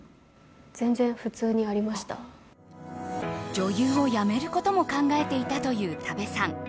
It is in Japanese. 女優を辞めることも考えていたという多部さん。